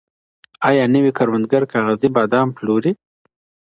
ایا نوي کروندګر کاغذي بادام پلوري؟